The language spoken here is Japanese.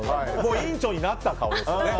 院長になった顔ですね。